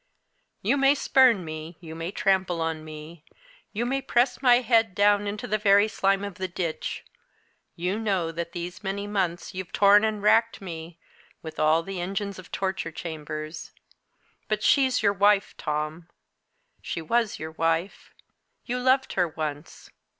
You may spurn me, you may trample on me, you may press my head down into the very slime of the ditch; you know that these many months you've torn and racked me with all the engines of the torture chambers: but she's your wife, Tom she was your wife! you loved her once!